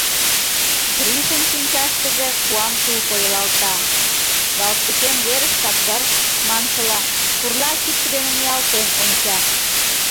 Гришын шинчаштыже куан тул койылалта, «Галстукем верыштак дыр» маншыла, пурла кидше дене ниялтен онча.